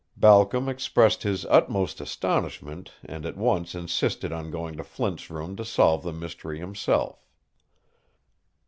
Balcom expressed his utmost astonishment and at once insisted on going to Flint's room to solve the mystery himself.